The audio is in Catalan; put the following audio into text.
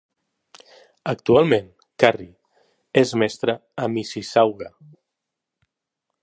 Actualment, Carrie és mestra a Mississauga.